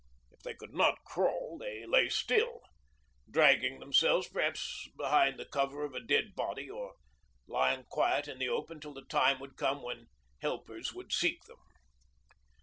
If they could not crawl they lay still, dragging themselves perhaps behind the cover of a dead body or lying quiet in the open till the time would come when helpers would seek them.